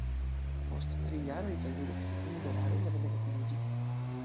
Post tri jaroj kaj dudek ses mil dolaroj, la domego finiĝis.